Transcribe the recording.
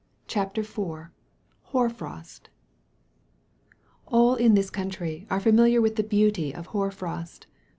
CHAPTER IV HOAR FROST All in this country are familiar with the beauty of hoar frost.